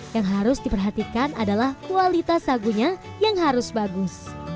yang harus diperhatikan adalah kualitas sagunya yang harus bagus